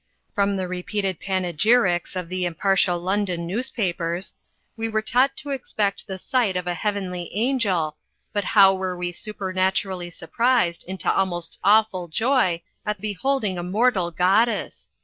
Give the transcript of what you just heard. From the repeated panegyrics of the impartial London newspapers, we were taught to expect the sight of a heavenly angel, but how were we supernaturally surprised into almost awful joy at beholding a mortal goddess!